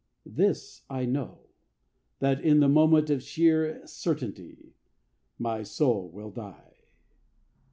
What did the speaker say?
This I know That in the moment of sheer certainty My soul will die.